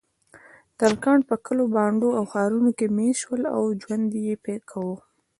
ترکان په کلیو، بانډو او ښارونو کې میشت شول او ژوند یې پکې کاوه.